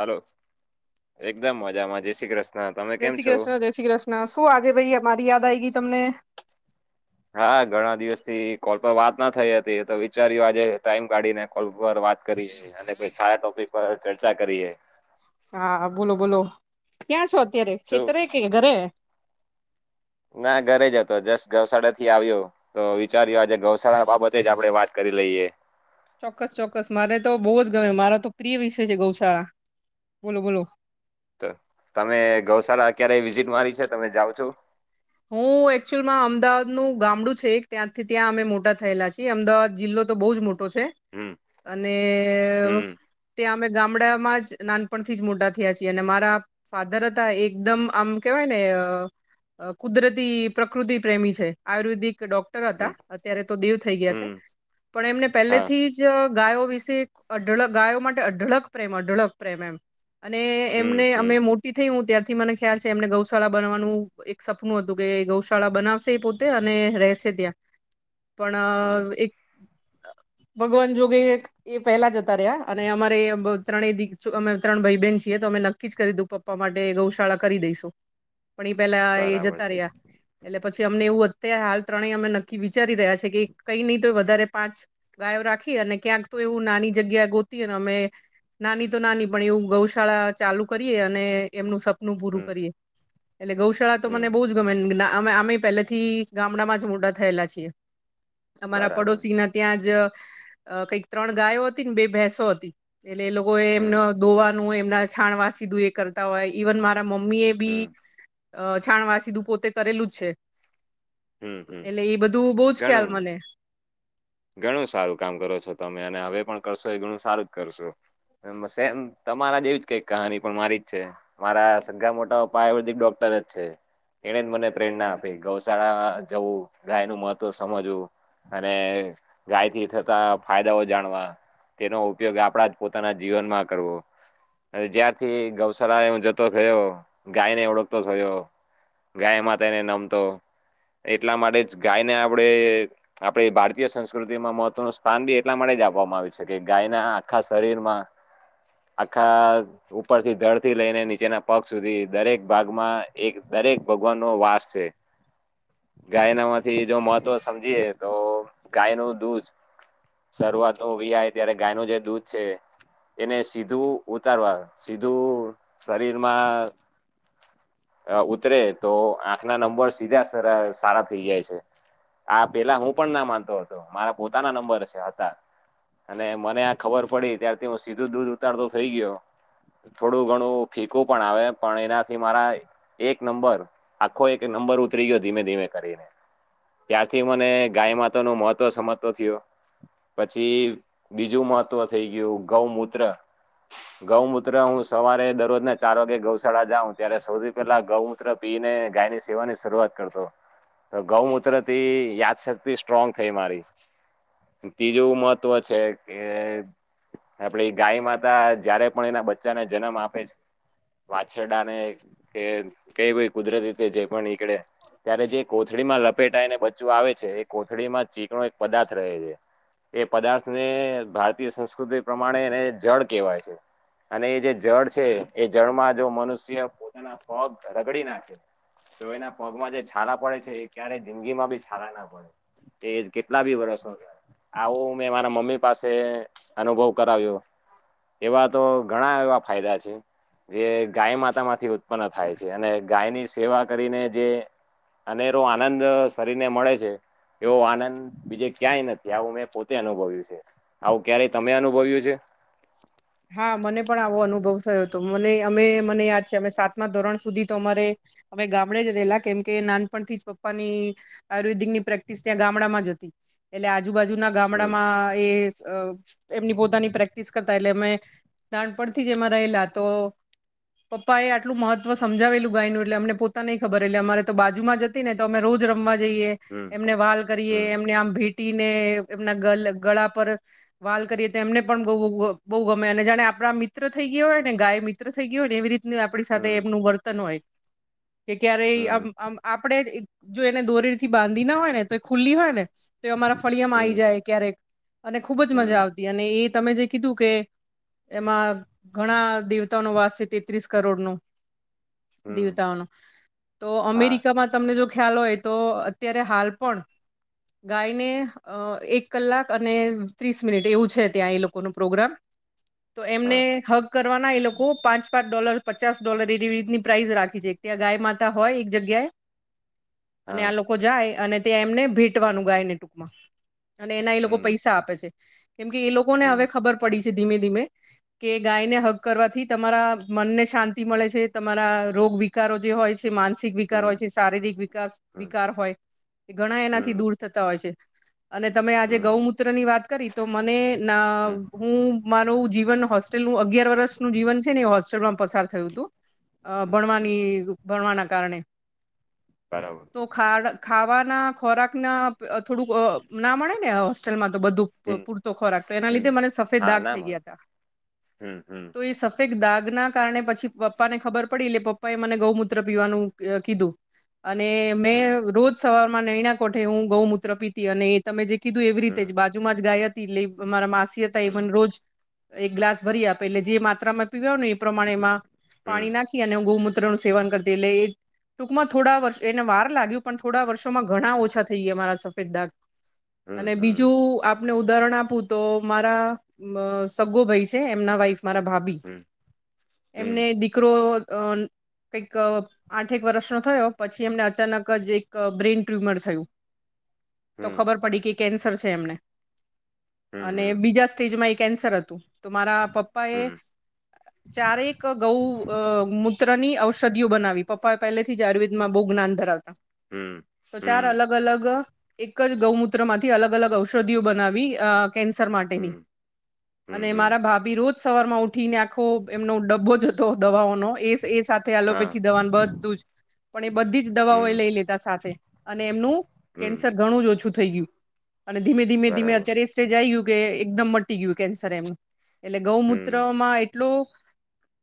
Hello, એકદમ મજામાં. જય શ્રી કૃષ્ણ તમે કેમ છો? ના શું આજે ભઈ અમારી યાદ આઈ ગઈ તમને? હા, ઘણા દિવસ થી કોલ પર વાત ના થઈ હતી તો વિચાર્યું આજે ટાઈમ કાઢીને કોલ પર વાત કરવી છે. અને પછ સારા ટોપિક પર ચર્ચા કરીએે. હા બોલો બોલો. ક્યાં છો અત્યારે? શું ખેતરે કે ઘરે? ના ઘરે જ હતો. જસ્ટ ગૌશાળાથી આવ્યો. તો વિચાર્યું, આજે ગૌશાળા બાબતે જ આપડે વાત કરી લઈએ. ચોક્કસ ચોક્કસ. મારે તો બહુ જ ગમે. મારો તો પ્રિય વિષય છે ગૌશાળા. બોલો બોલો. ત તમે ગૌશાળા ક્યારે વિઝિટ મારી છે? તમે જાવ છો? [inaudible] એકચુલ માં અમદાવાદનું ગામડું છે એક ત્યાંથી ત્યાં અમે મોટા થયેલા છીએ અમદાવાદ જિલ્લો તો બહુ જ મોટો ટુ છે હમ અને હમ ત્યાં અમે ગામડામાં જ નાનપણથી જ મોટા થયા છીએ અને મારા ફાધર હતા એકદમ આમ કેવાય ને અ કુદરતી પ્રકૃતિ પ્રેમી છે આયુર્વેદિક ડોક્ટર હમ હતા અત્યારે તો દેવ થઈ ગયા છે હમ પણ એમને હા પહેલેથી જ ગાયો વિશે અઢળક ગાયો માટે અઢળક પ્રેમ અઢળક પ્રેમ એમ અને હમ એમને હમ અમે મોટી થઈ હું ત્યારથી મને ખ્યાલ છે એમને ગૌશાળા બનવાનું સપનું હતું કે ગૌશાળા બનાવશે એ પોતે અને રેહશે ત્યાં હમ પણ એક ભગવાન જો કે એક એ પહેલા જતા રહ્યા અને અમારે ત્રય દી જો અમે ત્રણ ભાઈ બેન છીએ તો અમે ન કી જ કર્યું તું પપ્પા માટે ગૌશાળા કરી દઈશું પણ એ પેલા એ જતા રહ્યા [inaudible] એટલે પછી અમને એવું અત્યારે હાલ ત્રણેય અમે નક્કી વિચારી રહ્યા છે કે કઈ નહી તો વધારે પાંચ ગાયો રાખી અને ક્યાંક તો એવું નાની જગ્યા ગોતી ને અમે નાની તો નાની પણ એવું ગૌશાળા ચાલુ કરીએ અને એમનું સ પનું પુરુ હમ કરીએ એટલે ગૌશાળા તો મને હમ બહુ જ મે ના આમેય અમે પેલેથી ગામડામાં જ મોટા થયેલા છીએ તો અમારા બરાબર છે પડોશીના ત્યાં જ કંઈક ત્રણ ગાયો હતી ને બે ભેંસો હતી એટલે એ લોકો એ હમ એમનો દોવાનું એમના છાણ વાસી દુ એ કરતા હોય ઈવન મારા મમ્મી એ બી હમ અ છાણ વાસી દુ પોતે કરેલું જ છે હમ હમ એટલે એ બધું બઉ જ ખ્યાલ મને [unintelligible] ઘણું સારું કામ કરો છો તમે અને હવે પણ કરશો એ ઘણું સારું જ કરશો સેમ તમારા જ એવી જ કઈક કહાની પણ મારી છે મારા સગા મોટા પપ્પા આયુર્વેદિક ડોક્ટર જ છે એણે જ મને પ્રેરણા આપી ગૌશાળા જવું ગાય નું મત તો સમજવું અને ગાયથી થતા ફાયદાઓ જાણવા તેનો ઉપયોગ આપણા જ પોતાના જીવનમાં કરવો જ્યારથી ગૌશળા એ હું જતો થયો ગાયને ઓળખતો થયો ગાય માતા ને નમતો એટલા માટે જ ગાયને આપણેે આપણે ભારતીય સંસ્કૃતિમાં મહત્વનું સ્થાન બી એટલા માટે જ આપવામાં આવ્યું છે કે ગાયના આખા શરીરમાં આખા ઉપરથી ધડ થી લઈને નીચેના પગ સુધી દરેક ભાગમાં એક દરેક ભગવાન નો વાસ છે ગાય ના માંથી જો મહત્વ સમજીયે તો ગાય નું દૂધ શરૂઆત નું વિયાય ત્યારે ગાય નું જે દૂધ છે એને સીધું ઉતારવા સીધું શરીરમાં અ ઉતરે તો આંખ ના નંબર સીધા સર સારા થઈ જાય છે આ પેલા હું પણ ના માનતો હતો મારા પોતાના નંબર છે હતા અને મને આ ખબર પડી ત્યારથી હું સીધું દૂધ ઉતારતો થઇ ગયો થોડું ઘણું ફીકું પણ આવે પણ એનાથી મારા અ એક નંબર આખો એક નંબર ઉતરી ગયો ધીમે ધીમે કરીને ત્યારથી મને ગાય માત નું મહત્વ સમજતો થયો પછી બીજું મહત્વ થઈ ગયું ગૌમૂત્ર ગૌમૂત્ર હું સવારે દરરોજ ના ચાર વાગે ગૌશાળા જાઉ ત્યારે સૌથી પેલા ગૌમૂત્ર પી ને ગાયની સેવા ની શરૂઆત કરતો અને ગૌમૂત્ર યાદશક્તિ સ્ટ્રોંગ થઈ મારી. ત્રીજુવું મહત્વ છે કે. આપડી ગાય માતા જયારે પણ એના બચ્ચાને જન્મ આપે છે. વાછરડા ને કે કઈ ભઈ કુદરતી રીતે જે પણ નીકડે ત્યારે જે કોથળીમાં લપેટાઈને બચ્ચું આવે છે, એ કોથળીમાં ચીકણો એક પદાર્થ રહે છે. એ પદાર્થ ને ભારતીય સંસ્કૃતિ પ્રમાણે એને જળ કહેવાય છે. અને એ જે જળ છે એ જળમાં જો મનુષ્ય પોતાના પગ રગડી નાખે તો એના પગમાં છારા પડે છે એ ક્યારેય જિંદગીમાં બી છારા ના પડે. તેર કેટલા બી વરસ નો થાય. આવું મેં મારા મમ્મી પાસે અનુભવ કરાવ્યો એવા તો ઘણા એવા ફાયદા છે જે ગાય માતા માંથી ઉત્પન્ન થાય છે અને ગાયની સેવા કરીને જે અનેરો આનંદ શરીર ને મળે છે એવો આનંદ બીજે ક્યાંય નથી આવું મેં પોતે અનુભવ્યું છે. આવું ક્યારેય તમે અનુભવ્યું છે? હા, મને પણ આવો અનુભવ થયો હતો. મને અમે મને યાદ છે અ સાતમા ધોરણ સુધી તો અમારે અમે ગામડે જ રહેલા કેમ નાનપણ થી જ પપ્પાની આયુર્વેદિક ની પ્રેક્ટિસ ત્યાં ગામડામાં જ હતી. એટલે આજુબાજુના હમ ગામડામાં એ અ એમની પોતાની પ્રેક્ટિસ કરતા એટલે અમે નાનપણથી જ એમાં રહેલા તો પપ્પા એ આટલું મહત્વ સમજાવેલું ગાયનું એટલે અમને પોતાનેય ખબર એટલે અમારે તો બાજુમાં જ તો અમે રોજ રમવા જઈએ હમ એમને વાલ કરીએ હમ એમને આમ ભે ટી ને એમના ગળા પર વાલ કરીએ તો એમને પણ બઉ- બઉ ગમ મે અને જાણે આપણા મિત્ર થઈ ગયા હોય ને ગાય મિત્ર થઈ ગયો હોય ને એવી રીતની આપણી સાથે હમ એમનું વર્તન હોય. કે ક્યારેય હમ આમ- આમ આપણેે જો એને દોરે થી બાંધી ના હોય ને તો એ ખુલ્લી હોય ને તો એ અમારા ફળિયામાં હમ આવી જાય ક્યારેક અને ખુબ જ મજા હમ આવતી. અને એ તમે જે કીધું કે એમાં ઘણા દેવતાઓનો વાસ છે તેત્રીસ કરોડ નો. હમ દેવતાઓનો. તો હા અમેરિકામાં તમને જો ખ્યાલ હોય તો અત્યારે હાલ પણ ગાયને અ એક કલાક અને ત્રીસ મિનિટ એવું છે ત્યાં એ લોકોનુ પ્રોગ્રામ. તો એમને હા હગ કરવાના એ લોકો પાંચ પાંચ ડોલર પચાસ ડોલર એવી રીતની પ્રાઇસ રાખે છે ત્યાં ગાય માતા હોય એક જગ્યાએ. અને હા આ લોકો જાય અને ત્યાં એમને ભેટવાનું ગાયને ટૂંકમાં. અને એના એ લોકો હમ પૈસા આપે છે કેમ કે એ લોકોને હમ હવે ખબર પડી છે ધીમે -ધીમે. કે ગાયને હગ કરવાથી તમારા મનને શાંતિ મળે છે તમારા રોગ વિકારો જે હોય છે. માનસિક વિકાર હમ હોય છે શારીરિક વિકાસ હમ વિકાર હોય. એ ઘણા એનાથી હમ દૂર થતા હોય છે. અને તમે આજે હમ ગૌમૂત્ર ની વાત કરી તો મને ના હમ હું મારું જીવન હોસ્ટેલનું અગિયાર વર્ષનું જીવન છે ને એ હોસ્ટેલ માં પસાર થયું હતું. અ હમ હમ ભણવાની ભણવાના કારણે. બરાબર. તો ખા ખાવાના ખોરાકના થોડુંક ના મળે ને હોસ્ટેલમાં તો બધું. હમ પૂરતો ખોરાક તો એના લીધે હમ મને સફેદ હા દાગ ના થઈ મળે ગયા હતા હમ હમ તો એ સફેદ દાગ ના કારણે પછી પપ્પા ને ખબર પડી એટલે પપ્પા એ મને ગૌમૂત્ર પીવાનું કીધું. અને હમ મેં રોજ સવારમાં નૈણા કોઠે હું ગૌમૂત્ર પીતી અને તમે જે કીધું એવી રીતે હમ જ બાજુમાં જ ગાય હતી એટલે અમારા માસી હતા એ હમ મને રોજ. ગ્લાસ ભરી એટલે જે માત્રામાં પીવા ને એ પ્રમાણે એમાં પાણી હમ નાખ ધિયાને ગૌમૂત્રનું સેવન કરજે. ટૂંકમાં થોડા વર્ષ એને વાર લાગ્યું પણ થોડા વર્ષોમાં ઘણા ઓછા થઈ ગયા મારા સફેદ દાગ [inaudible] અને બીજું આપને ઉદાહરણ આપું તો મારા અ સગો ભાઈ છે એમના વાઈફ મારા ભાભી હમ એમને હમ હમ દીકરો અ કઈક અ આઠેક વર્ષનો થયો પછી એમને અચાનક જ એક બ્રેઇન ટ્યુમર થયું તો ખબર પડી કે કેન્સર છે એમને અને હમ હમ બીજા સ્ટેજમાં એક કેન્સર હતું તો મારા પપ્પા હમ એ હમ ચારેક ગૌ અ મૂત્રની ઔ ષધિ ઓ બનાવી પપ્પા પેલે થી આયુર્વેદમાં બહુ જ્ઞાન ધરાવયુ હમ તો ચાર હમ અલગ અલગ અ એક જ ગૌમૂત્રમાંથી અલગ અલગ ઔષધિઓ બનાવી અ કેન્સર માટેની હમ અને હમ હમ મારા ભાભી રોજ સવાર માં ઉઠીને આખુ એમનો ડબ્બો જ હતો દવાઓનો એ સ સા થે હા એલોપેથી દવાનું બધું જ પણ એ બધી જ દવાઓ એ હમ લઈ લેતા સાથે અને એમનું હમ કેન્સર ઘણું જ ઓછું થઈ ગયું અને ધીમે ધીમે ધીમે બરાબર અત્યારે એ સ્ટેજ આ ગયું કે એકદમ મ ટ ટી ગયું કેન્સર એમ નું એટલે હમ ગૌમૂત્રમાં એટલું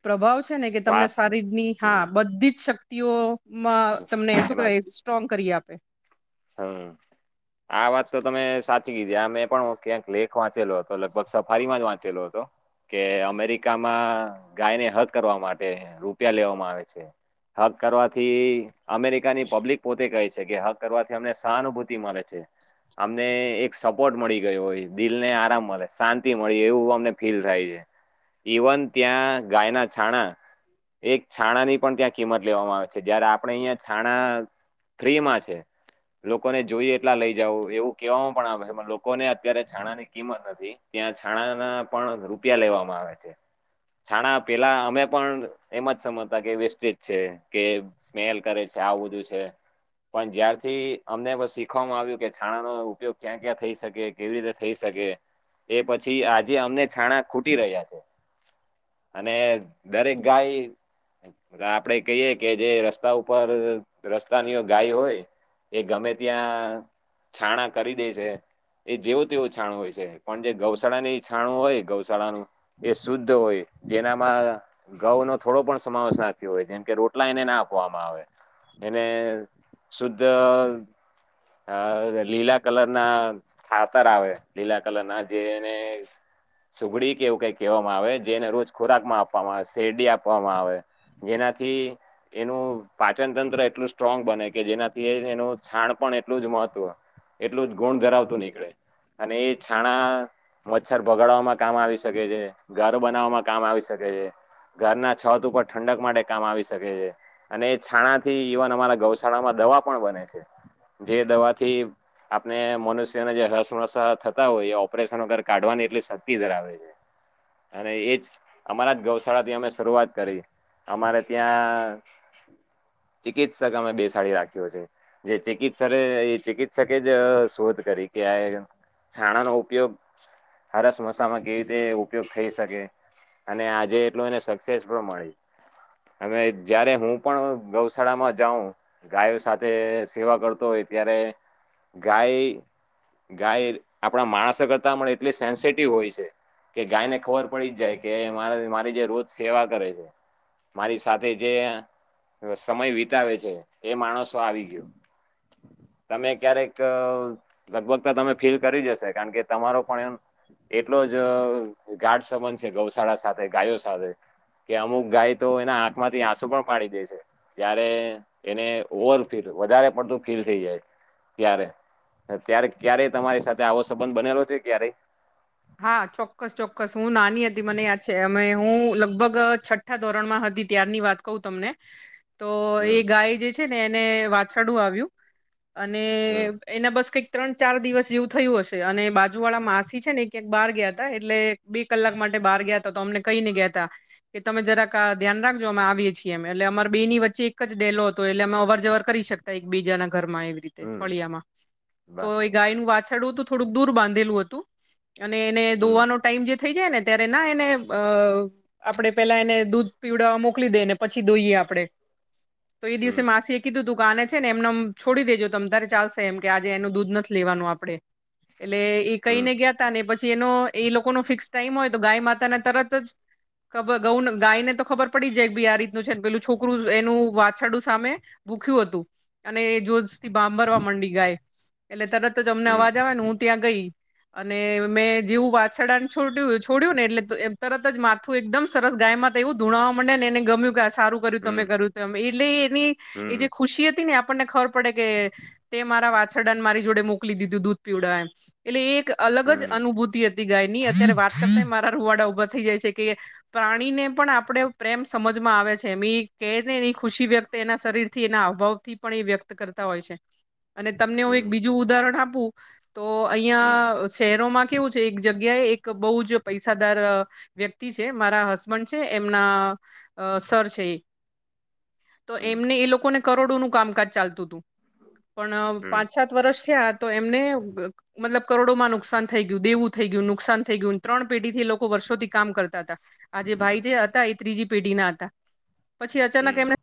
પ્રભાવ છે ને કે તમને વાસ શારીરની હા હમ બધી જ શક્તિઓ માં હમ તમને શું કેવાય સ્ટ્રોંગ કરી આપે હા આ વાત તો તમે સાચી કીધી આ મેં પણ ક્યાંક લેખ વાંચેલો હતો લગભગ સફારીમાં જ વાંચેલો હતો. કે અમેરિકામાં ગાયને હગ કરવા માટે રૂપિયા લેવામાં આવે છે. હક કરવાથી અમેરિકાની પબ્લિક પોતે કહે છે કે હક કરવા એમને સહાનુભૂતિ મલે છે. અમને એક સપોર્ટ મળી ગયો હોય દિલ ને આરામ મળે શાંતિ મળે એવું અમને ફીલ થાય છે. ઇવન ત્યાં ગાયના છાણા એક છાણા ની પણ ત્યાં કિંમત લેવામાં આવે છે જયારે આપણે અહિયાં છાણા ફ્રીમાં છે લોકોને જોઈએ એટલા લઈ જાવું એવું કેવામાં પણ આવે છે પણ લોકોને અત્યારે છાણાની કિંમત નથી. ત્યાં છાણાના પણ રૂપિયા લેવામાં આવે છે. છાણા પેલા અમે પણ એમ જ સમજતા કે વેસ્ટેજ છે કે સ્મેલ કરે આવું બધું પણ ત્યાં થી અમને બ શીખવામાં આવ્યું કે છાણા નો ઉપયોગ ક્યાં ક્યાં થઈ શકે કેવી રીતે થઈ શકે એ પછી આજે અમને છાણા ખૂટી રહ્યા છે. અને દરેક ગાય આ આપડે કહીએ કે જે રસ્તા ઉપર અ રસ્તાની ગાય હોય એ ગમે ત્યાં છાણા કરી દે છે. એ જેવું તેવું છાણું હોય છે પણ જે ગૌશાળા ની એ છાણું હોય ગૌશાળાનું એ શુદ્ધ હોય જેનામાં અ ઘઉ નો થોડો પણ સમાવેશ ના થયો હોય જેમ કે રોટલા એને ના આપવામાં આવે એને અ શુદ્ધ અ હા લીલા કલર ના છાતર આવે લીલા કલર ના જે એને સુગડી કે એવું કઈ કહેવામાં આવે જે એને રોજ ખોરાક માં આપવામાં આવે શેરડી આપવામાં આવે જેનાથી એનું પાચન તંત્ર એટલું સ્ટ્રોંગ બને કે જેનાથી એનું છાણ પણ એ એટલું જ મહત્વનું એટલું જ ગુણ ધરાવતું નીકળે અને એ છાણા મચ્છર ભગાડવામાં કામ આવી શકે છે ઘરો બનાવવામાં કામ આવી શકે છે. ઘરના છત ઉપર ઠંડક માટે કામ આવી શકે છે. અને એ છાણાથી ઇવન અમારા ગૌશાળામાં દવા પણ બને છે. એ દવાથી આપણે મનુષ્યને જે હરસમસા થતા હોય એ ઓપરેશન વગર કાઢવાની એટલી શક્તિ ધરાવે અને એજ અમારા જ ગૌશાળા થી અમે શરૂઆત કરી અમારે ત્યાં ચિકિત્સક અમે બેસાડી રાખ્યો જે સર એ ચિકિત્સકે જ શોધ કરી કે આ છાણાનો ઉપયોગ હરસ મસામાં કેવી રીતે ઉપયોગ થઈ શકે અને આજે એટલું એને સક્સેસ પણ મળી હવે જયારે હું પણ ગૌશાળામાં જાઉં ગાયો સાથે સેવા કરતો હોય ત્યારે ગાય ગાય આપણા માણસો કરતા પણ એટલી સેન્સટિવ હોય છે. કે ગાયને ખબર પડી જ જાય કે મા મારી જે રોજ સેવા કરે છે મારી સાથે જે સમય વિતાવે છે એ માણસો આવી ગયો તમે ક્યારેક લગભગ તો તમે ફીલ કરી જશે કારણ કે તમારો પણ એમ એટલો જ ગાઢ સંબંધ છે ગૌશાળા સાથે ગાયો સાથે કે અમુક ગાય તો એના આંખમાંથી આંસુ પણ પાડી દે છે. ત્યારે એને ઓવરફીલ વધારે પડતું ફીલ થઈ જાય ત્યારે ત્યારે ક્યારેય તમારી સાથે આવો સંબંધ બનેલો છે ક્યારેય હા ચોક્કસ ચોક્કસ હું નાની હતી મને યાદ છે અ હું લગભગ છઠઠા ધોરણ માં હતી ત્યારની વાત કહું તમને તો એ હમ ગાય જે ને એને વાછડું આવ્યું અને હમ એના બસ કંઈક ત્રણ ચાર દિવસ જેવું થયું હશે અને બાજુ વાળા માસી છે ને કેક બાર ગયા તા એટલે બે કલાક માટે બહાર ગયા ત તો અમને કઈ ને ગયાતા કે તમે જરાક આ ધ્યાન રાખજો અમે આવીએ છીએ એમ એટલે અમારે બે ની વચ્ચે એક જ ડેલો હતો એટલે અમે અવર જવર કરી શકીએ એક બીજા ના ઘરમાં એવી રીતે હમ ફળિયામાં તો બરાબર ગાય નું વાછરડું હતું તો થોડુંક દૂર બાંધેલું હતું અને એને હમ દોવાનો ટાઈમ જે થઈ જાય ને ત્યારે ના એને અ આપણે પેલા એને દૂધ પીવડાવા મોકલી દઈ ને પછી દોઈએ આપણે [unintelligible] તો એ દિવસે માસી એ કીધું તું કાને છે ને એમનેમ છોડી દેજો તમ તારે ચાલશે એમ કે આજે એનું દૂધ નથી લેવાનું આપડે એટલે એ કઈને હમ ગ્યા તા ને પછી એનો એ લોકો ન ફિક્સ ટાઈમ હોય તો ગાય માતા ના તરત જ ગ ગાયને તો ખબર પડી જાય ભી આ રીતનું છે ને પેલું છોકરું એનું વાછડું સામે ભૂખ્યું હતું. અને એ જોજ થી ભભરવા મંડી જાય એટલે તરત જ અમને હમ અવાજ આવે ને ત્યાં ગઈ અને મેં જેવું વાછરડાને છોડયું છોડ્યું ને એટલે તરત જ માથું એકદમ સરસ ગાયમાં એવું ધુણાવવા મંડે ને એને ગમ્યું કે આ સારું કર્યું તમે હમ કર્યું ગમે એટલે એની એ હમ જે ખુશી હતી ને આપણને ખબર પડે કે તે મારા વાછરડાને મારી જોડે મોકલી દીધું દૂધ પીવડાવા એમ, એટલે એક અલગ જ હમ અનુભૂતિ હતી ગાય ની, અત્યારે વાત કરતા મારા રૂવાડા ઉભા થઈ જાય છે કે પ્રાણીને પણ આપણે પ્રેમ સમજમાં આવે છે મે કે ને એની ખુશી વ્યક્ત તે એના શરીર થી એના હાવ ભાવથી પણ એ વ્યક્ત કરતા હોય છે. અને તમને હમ હું એક બીજું ઉદાહરણ આપું તો હમ અહિયાં શહેરોમાં કેવું છે એક જગ્યાએ એક બહુ જ પૈસાદાર વ્યક્તિ છે મારા હસબન્ડ છે એમના સર છે એ. તો હમ એમને એ લોકોને કરોડોનું કામકાજ ચાલતું હતું. પણ પાંચ છ વર્ષ થયા તો એમને મતલબ કરોડોમાં નુ નુકસાન થઈ ગયું દેવું થઈ ગયું, નુકસાન થઈ ગયું, ત્રણ પેઢથી લોકો વર્ષોથી કામ કરતા હતા. આ જે ભાઈ જે હતા એ ત્રીજી પેઢી ના હતા. પછી અચાનક એમને